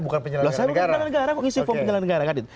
karena bukan penyelenggara negara